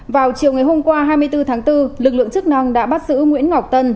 vào chiều ngày hôm qua hai mươi bốn tháng bốn lực lượng chức năng đã bắt giữ nguyễn ngọc tân